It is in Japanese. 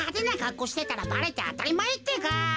こうしてたらばれてあたりまえってか。